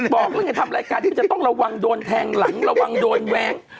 บอกแล้วไงทำรายการที่มันจะต้องระวังโดนแทงหลังระวังโดนแว้ง